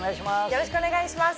よろしくお願いします